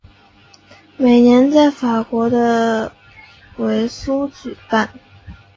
每年在法国的维苏举办。